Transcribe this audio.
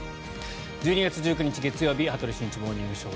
１２月１９日、月曜日「羽鳥慎一モーニングショー」。